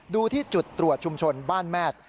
ดูที่จุดตรวจชุมชนบ้านแมท